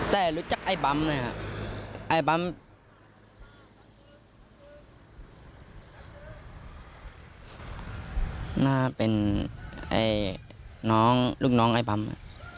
แต่รู้จักไอ้บำเนี่ยครับไอ้บำน่าเป็นลูกน้องไอ้บำ